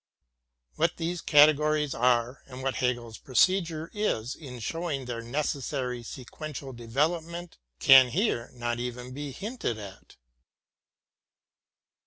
What these categories are and what Hegel's procedure is in showing their necessary sequential develop ment, can here not even be hinted at.